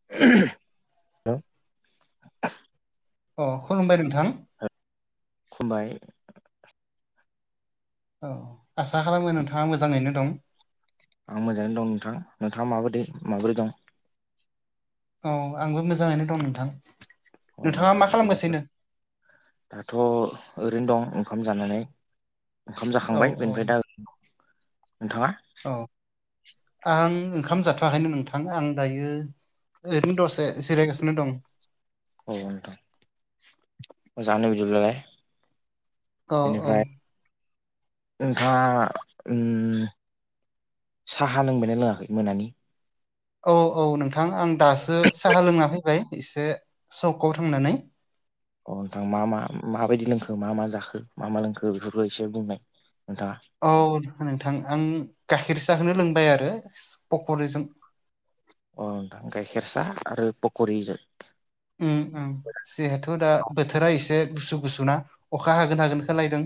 [inaudible] Hello अ खुलुमबाय नोंथां। खुलुमबाय। औ आसा खालामो नोंथाङा मोजाङैनो दं। आं मोजाङै दं नोंथां नोंथाङा माबोरै माबोरै दं? औ आंबो मोजाङैनो दं नोंथां अ नोंथाङा नोंथां मा बेनिफ्राय खालामगासिनो? दाथ' ओरैनो दं ओंखाम जानानै ओंखाम औ जाखांबाय औ बेनिफ्राय दा नोंथाङा औ आं ओंखाम जाथ'वाखैनो नोंथां आं दायो ओरैनो दसे जिरायगासिनो दं। औ नोंथां मोजांनो बिदिब्लाय। औ औ बेनिफ्राय नोंथाङा ओम साहा लोंबायना लोङाखै मोनानि? औ औ नोंथां आं दासो साहा लोङा फैबाय एसे सकआव थांनानै। अ नोंथाङा मा मा माबायदि लोंखो मा मा जाखो मा मा लोंखो बेफोरखौ एसे बुंनाय नोंथां। औ नोंथां आं गाइखेर साहखौनो लोंबाय आरो पकरिजों। अ नोंथां गाइखेर सा आरो पकरिजों। उम उम। जिहेथु दा बोथोरा एसे गुसु गुसु ना अखा हागोन हागोन खालायदों।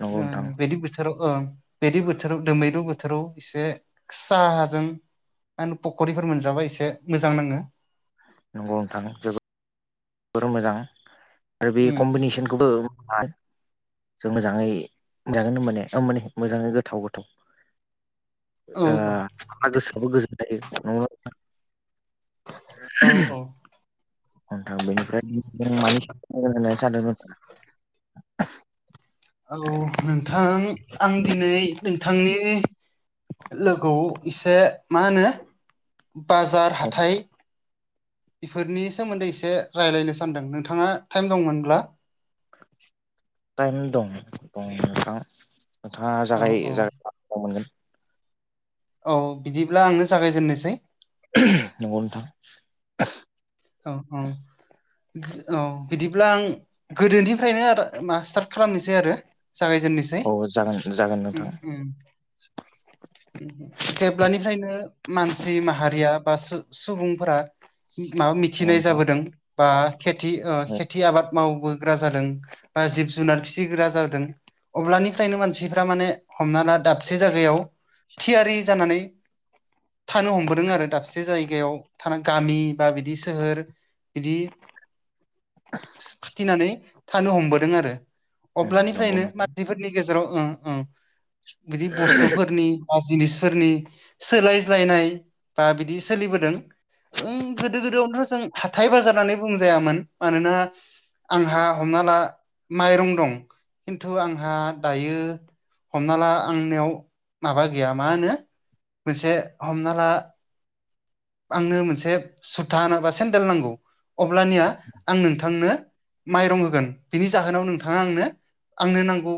नंगौ ओं नोंथां बेदि बोथोराव ओं बेदि बोथोराव दोमैरु बोथोराव एसे साहाजों मा होनो फखरिफोर मोनजाबा एसे मोजां नाङो। नंगौनो नोंथां। मोजां आरो बे उम कम्बिनेसनखौबो जों मोजाङै जागोन होनबाने ओमाने माने मोजाङै गोथाव गोथाव। औ हा गोसोआबो गोजोननायायो नंगौना नोंथां। औ औ नोंथां बेनिफ्राय जों मानि सायाव रायलायनो सानदोंमोन। औ नोंथां आं दिनै नोंथांनि लोगोआव इसे मा होनो बाजार नोंथां हाथाय बेफोरनि सोमोन्दै एसे रायज्लायनो सानदों नोंथाङा टाइम दंमोनब्ला। टाइम दं दं नोंथां नोंथाङा औ जागाय औ जा औ मोनगोन। औ बिदिब्ला आंनो जागायजेननोसै। नंगौ नोथां। औ ओं औ बिदिब्ला आं गोदोनिफ्रायनो मा स्टार्ट खालामनोसै आरो जागायजेननो सै औ जागोन जागोन उम नोंथां उम। जेब्लानिफ्रायनो मानसि माहारिया बा सो सुबुंफोरा माबा औ मिथिनाय नोंथां जाबोदों बा खेथि ओ औ खेथि आबाद मावबो ग्रा जादों बा जिब जुनार फिसिग्रा जादों। अब्लानिफ्रायनो मानसिफ्रा माने हमना ला दाबसे जागायाव थियारि जानानै थानो हमबोदों आरो दाबसे जायगायाव थाना गामि बा बिदि सोहोर बिदि खाथिनानै थानो हमबोदों आरो नंगौ अब्लानिफ्रायनो नोंथां मानसिफोरनि गेजेराव ओं ओं बिदि बुस्थुफोरनि बा जिनिसफोरनि सोलायज्लायनाय बा बिदि सोलिबोदों नोथ' जों हाथाय बाजार होननानै बुंजायामोन मानोना आंहा हमना ला माइरं दं खिन्थु आंहा दायो हमना ला आंनियाव माबा गैया मा होनो मोनसे हमना ला आंनो मोनसे सुथा ना बा सेन्देल नांगौ अब्लानिया आं नोंथांनो माइरं होगोन बिनि जाहोनाव नोंथाङा आंनो आंनो नांगौ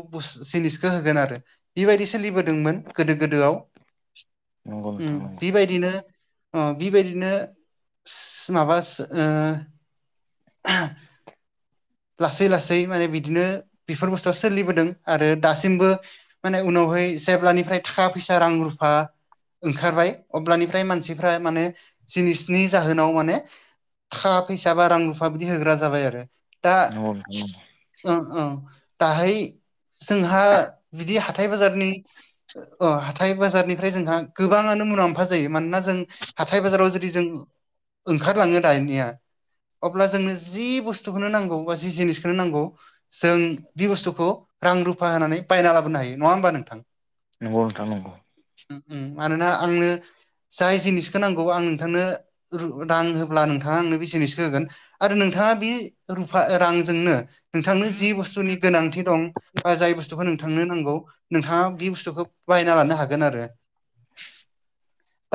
जिनिसखौ होगोन आरो बेबायदि सोलिबोदोंमोन गोदो गोदोआव नंगौ ओम नोंथां नंगौ बिबायदिनो अ बिबायदिनो माबा ओ लासै लासै माने बिदिनो बेफोर बुस्थुआ सोलिबोदों आरो दासिमबो माने उनावहाय जेब्लानिफ्राय थाखा फैसा रां रुफा ओंखारबाय अब्लानिफ्राय मानसिफ्रा माने जिनिसनि जाहोनाव माने थाखा फैसा बा रां रुफा बिदि होग्रा जाबाय आरो दा नंगौ ओ ओ दाहाय जोंहा बिदि हाथाय बाजारनि अ हाथाय बाजारनिफ्राय जोंहा गोबाङानो मुलाम्फा जायो मानोना जों हाथाय बाजाराव जुदि जों ओंखारलाङो दानिया अब्ला जोंनो जि बुस्थुखौनो नांगौ बा जि जिनिसखौनो नांगौ जों बे बुस्थुखौ रां रुफा होनानै बायना लाबोनो हायो नङा होमबा नोंथां नंगौ नोंथां नंगौ मानोना आंनो जाय जिनिसखौ नांगौ आं नोंथांनो रां होब्ला नोंथाङा आंनो बि जिनिसखौ होगोन आरो नोंथाङा बे रुफा रांजोंनो नोंथांनो जि बुस्थुनि गोनांथि दं बा जाय बुस्थुखौ नोंथांनो नांगौ नोंथाङा बे बुस्थुखौ बायना लानो हागोन आरो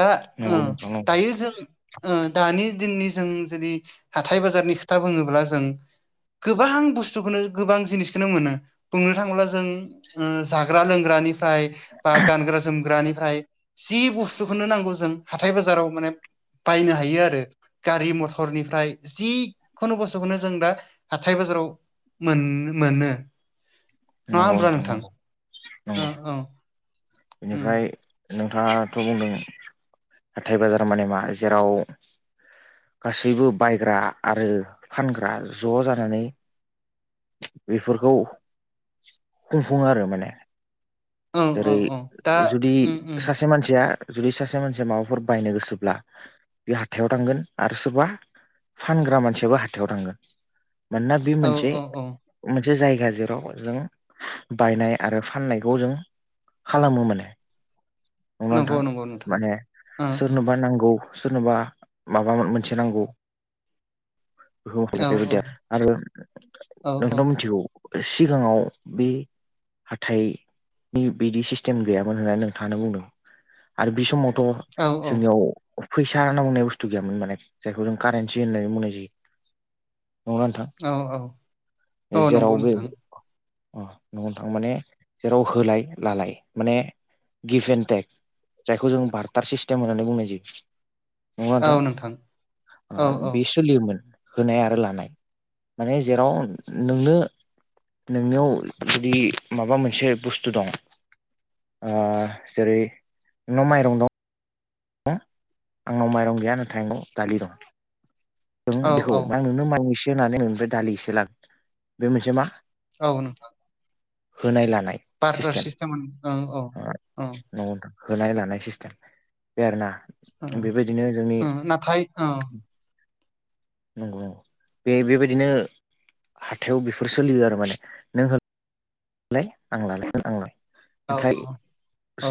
दा ओ नंगौ नोंथां नंगौ दायो जों ओ दानि दिननि जों जुदि हाथाय बाजारनि खोथा बुङोब्ला जों गोबां बुस्थुखौनो गोबां जिनिसखौनो मोनो बुंनो थाङोब्ला जों जाग्रा लोंग्रानि फ्राय बा गानग्रा जोमग्रानिफ्राय जि बुस्थुखौनो नांगौ जों हाथाय बाजाराव माने बायनो हायो आरो गारि मथरनिफ्राय जिखुनु बुस्थुखौनो जों दा हाथाय बाजाराव मोन मोनो नंगौ नोंथां नंगौ अ नंगौ अ बेनिफ्राय नोंथाङाथ' बुंदों हाथाइ बाजार माने मा जेराव गासैबो बायग्रा आरो फानग्रा ज' जानानै बेफोरखौ बुंफुङो आरो माने औ औ जेरै औ दा जुदि उम उम सासे मानसिया जुदि सासे मानसिया माबाफोर बायनो गोसोब्ला बे हाथायाव थांगोन आरो सोरबा फानग्रा मानसियाबो हाथायाव थांगोन मानोना बे औ मोनसे औ औ मोनसे जायगा जेराव जों बायनाय आरो फाननायखौ जों खालामो माने नंगौ नंगौ नोंथां नंगौ नोंथां माने औ सोरनोबा नांगौ सोरनोबा माबा मोनसे नांगौ औ बेबायदिया आरो औ नोंथ' मिथिगौ सिगाङाव बे हाथाइ नि बिदि सिस्टेम गैयामोन होननानै नोंथाङानो बुंदों आरो बे समावथ' जोंनियाव फैसा होनना बुंनाय बुस्थु गैयामोन माने जायखौ जों कारेन्सि होननानै बुंनाय जायो नंङा नोंथां औ औ औ नंगौ जेरावबो नोंथां अ न'नो थां माने जेराव होलाय लालाय माने गिफ्ट एणड टेक जायखौ जों बार्टार सिस्टेम होननानै बुंनाय जायो। नंङा नोंथां औ औ ओ-बिस सोलियोमोन होनाय आरो लानाय माने जेराव नोंनो नोंनियाव जुदि माबा मोनसे बुस्थु दं। जेरै नोंनाव माइरं दं। बा आंनाव माइरं गैया नाथाय आंनाव दालि दं औ नों बेखौ। औ नों माय इसे होनानै ननिफ्राय दालि एसे लागोन बे मोनसे मा? औ नंगौ होनाय लानाय बार्टार सिस्टेम सिस्टेमाव ओ औ औ। ओ- होनाय लानाय सिस्टेम। बे आरोना बेबायदिनो जोंनि ओ-नाथाइ ओ नंगौ नंगौ बे बेबायदिनो हाथायाव बेफोर सोलियो आरो माने नों नालाय आं लालायगोन आंलाय औ नाथाय औ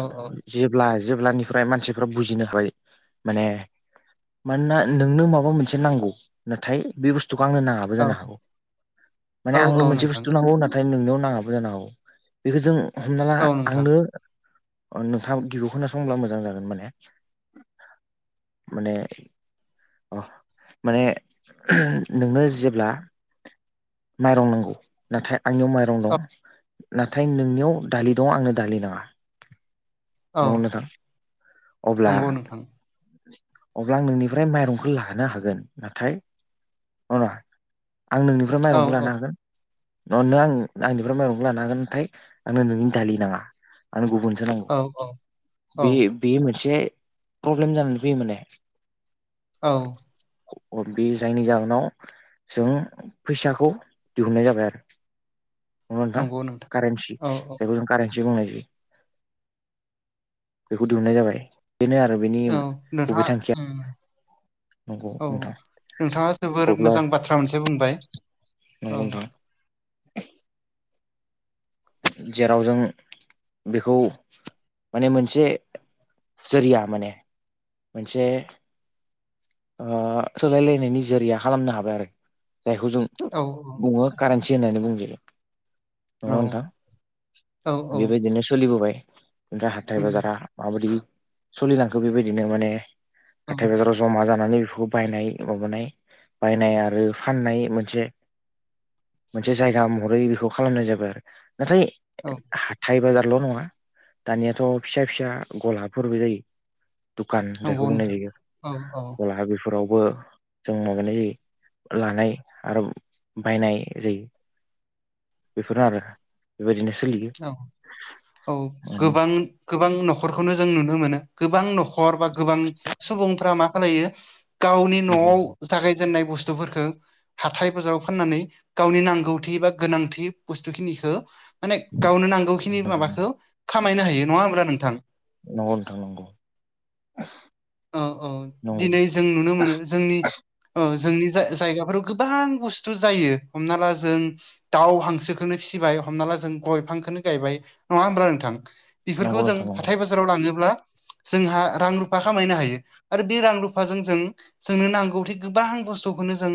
जेब्ला जेब्लानिफ्राय मानसिफ्रा बुजिनो हाबाय माने। मानोना नोंनो माबा मोनसे नांगौ नाथाय बे बुस्थुखौ आंनो नाङा। बो औ जानो हागौ। औ आंनो औ मोनसे नोंथां बुस्थु नांगौ। ओ नोंनियाव नाङाबो जानो हागौ बेखौ जों हमना ला औ नोंथां आंनो ओ-नोंथाङा गिबियाव खोनासंब्ला मोजां जागोन माने माने। अ माने नोंनो जेब्ला माइरं नांगौ। नाथाय आंनियाव माइरं दं औ नाथाय नोंनियाव दालि दं आंनो दालि नाङा। औ नंगौ नोंथां अब्ला- नंगौ नोंथां अब्ला आं नोंनिफ्राय माइरंखौ लाहोनो हागोन नाथाय नङा नङा आं नोंनिफ्राय औ माइरंखौ औ लानो हागोन न-ओ-आं आंनि [unintelligible] माइरंखौ लानो हागोन नाथाय आंनो नोंनि दालि नाङा। आरों गुबुनसो नांगौ औ औ औ बे बेयो मोनसे प्रब्लेम जानानै फैयो माने। औ बे जायनि जाहोनाव जों फैसाखौ दिहुननाय जाबाय आरो। नंगौ ना नोंथां कारन्सि। औ औ जायखौ जों कारन्सि बुंनाय जायो। बेखौ दिहुननाय जाबाय बेनो आरो। बेनि औ नोंथाङा गुबै थांखिया। नंगौ औ नोंथां नोंथाङा जोबोर अब्ला मोजां बाथ्रा मोनसे बुंबाय नंगौ औ नोंथां। जेराव जों बेखौ माने मोनसे जरिया माने मोनसे ओ सोलायलायनायनि जोरैया खालामनो हाबाय आरो जायखौ जों। औ औ नो कारेनसि होननानै बुं नङा औ ओनथां औ औ बेबायदिनो सोलिबोबाय ओमफ्राय हाथथाय बाजारा माबायदि सोलिलांखो बेबायदिनो माने हाथाय बाजाराव जमा जा नानै बेखौ बायनाय माबानाय बायनाय आरो फाननाय मोनसे। मोनसे जायगा महरै बेखौ खालामनाय जाबाय आरो नाथाय औ हाइ बाजारल' नङा दानियाथ' फिसा फिसा गलाफोरबो जायो नंगौ नोंथां औ औ बा बेफोरावबो जों माबानाय जायो लानाय आरो बायनाय जायो बेफोरनो आरो। बेबायदिनो सोलियो। औ औ गोबां गोबां न'खरखौनो जों नुनो मोनो गोबां न'खर बा गोबां सुबुंफ्रा मा खालायो गावनि नंगौ न'आव जागायजेननाय बुस्थुफोरफोरखौ हाथाय बाजाराव फाननानै गावनि नांगौथि बा गोनांथि बुस्थु खिनिखौ माने गावनो नांगौखिनि नोंथां नंगौ माबाखौ खामायनो हायो नङा होमब्ला नोंथां? नंगौ नोंथां नंगौ। औ औ दिनै नंगौ जों नुनो मोनो जोंनि औ जोंनि जाय जायगाफोराव गोबां बुस्थु जायो हमना ला जों दाउ हांसोखौनो फिसिबाय हमना ला जों गय बिफांखौनो गायबाय नङा होमबा नोंथां? बेफोरखौ जों नोंथां नंगौ हाथाय बाजाराव लाङोब्ला जोंहा रां रुफा खामायनो हायो आरो बे रां रुफाजों जों जोंनो नांगौथिे गोबां बुस्थुखौनो जों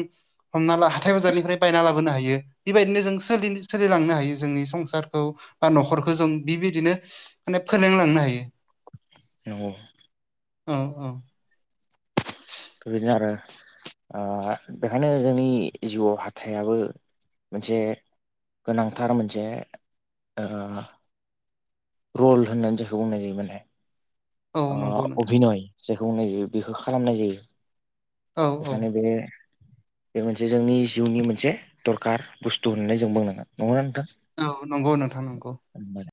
हमना ला हाथाय बाजारनिफ्राय बायना लाबोनो हायो। बेबायदिनो जों सोलि सोलिलांनो हायो जोंनि संसारखौ बा न'खरखौ जों बेबायदिनो माने फोरोंलांनो हायो। नंगौ। औ औ। बेबायदिनो आरो ओ बेखायनो जोंनि जिउआव हाथाइयाबो मोनसे गोनांथार मोनसे ओ रल होननानै जायखौ बुंनाय जायो माने औ ओ नंगौ नोंथां अभिनय। जायखौ होननाय जायो बेखौ खालामनाय जायो औ औ बेखायनो बे बे मोनसे जोंनि जिउनि मोनसे दरखार बुस्थु होननानै जों बुंनांगोन नंगौना नोंथां? औ नंगौ नोंथां नंगौ। [inaudible]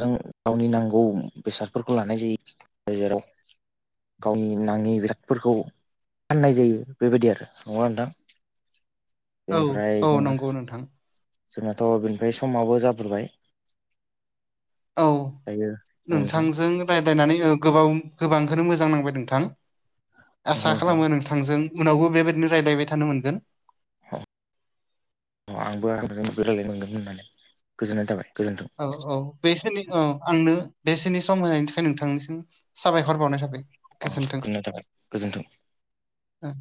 जों गावनि नांगौ बेसादफोरखौ लानाय जायो जेराव गावनि नाङि बिरादफोरखौ फाननाय जायो बेबायदि आरो नङा नोंथां? औ बेनिफ्राय औ जों नंगौ नोंथां जोंनाथ' बेनिफ्राय समाबो जाब्रबाय। दायो औ नोंथां नोंथांजों रायज्लायनानै औ गोबाव गोबांखौनो मोजां नांबाय नोंथां नंगौ आसा खालामो नोंथां नों थांजों उनावबो बेबायदिनो रायज्लायबाय थानो मोनगोन। अ आंबो आंजों रायलायनो मोनगोन होननानै गोजोननाय थाबाय गोजोन्थों। औ औ बेसोनि अ आंनो बेसोनि सम होनायनि थाखाय नोंथांनिसिम साबायखर बावनाय थाबाय। अ गोजोन्थों [unintelligible] गोजोन्थों। औ।